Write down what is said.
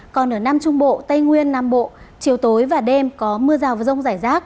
còn ở nam trung bộ tây nguyên nam bộ chiều tối và đêm có mưa rào và rông rải rác